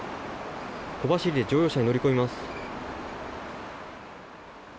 小走りで乗用車に乗り込みます。